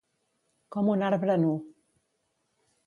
Com un arbre nu.